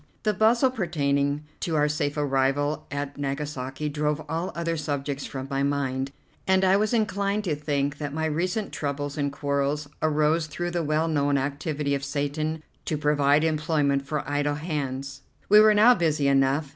The bustle pertaining to our safe arrival at Nagasaki drove all other subjects from my mind, and I was inclined to think that my recent troubles and quarrels arose through the well known activity of Satan to provide employment for idle hands. We were now busy enough.